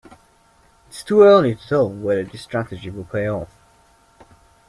It's too early to tell whether the strategy will pay off.